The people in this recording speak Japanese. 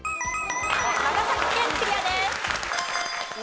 長崎県クリアです。